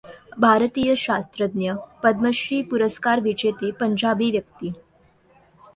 भारतीय शास्त्रज्ञ, पद्मश्री पुरस्कारविजेते पंजाबी व्यक्ती